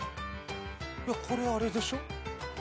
これあれでしょ？